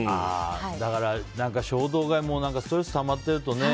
だから衝動買いもストレスたまってるとね。